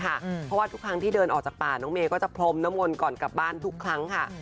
เพราะว่าทุกครั้งที่เดินออกจากป่าน้องเมย์ก็จะพรมน้ำมนต์ก่อนกลับบ้านทุกครั้งค่ะ